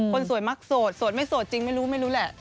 คนสวยมักโสดโสดไม่โสดจริงไม่รู้ไม่รู้แหละ